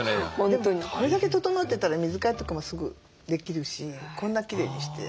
でもこれだけ整ってたら水替えとかもすぐできるしこんなきれいにして。